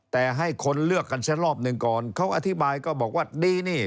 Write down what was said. แต่ให้คนเลือกกันสักรอบหนึ่งก่อนเขาอธิบายก็บอกว่าดีนี่